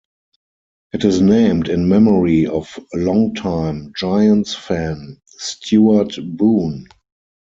It is named in memory of long time Giants fan Stewart Boone.